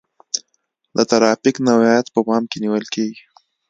د ترافیک نوعیت په پام کې نیول کیږي